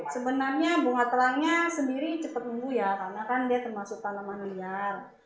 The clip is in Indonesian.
sebenarnya bunga telangnya sendiri cepat tumbuh karena dia termasuk tanaman liar